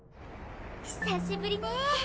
久しぶりね。